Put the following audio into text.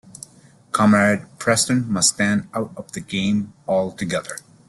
Comrade Preston must stand out of the game altogether.